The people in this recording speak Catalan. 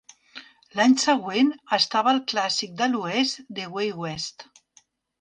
L'any següent, estava al clàssic de l'Oest "The Way West".